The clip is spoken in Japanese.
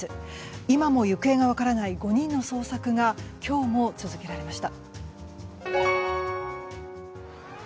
今も行方が分からない５人の捜索が今日も続けられました。